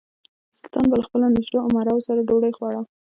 سلطان به له خپلو نژدې امراوو سره ډوډۍ خوړه.